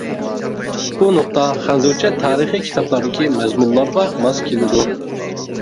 بۇ نۇقتا خەنزۇچە تارىخىي كىتابلاردىكى مەزمۇنلارغا ماس كېلىدۇ.